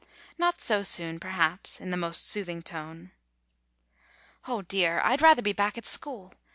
"Not so soon, perhaps," in the most soothing tone. "O dear! I 'd rather be back at school.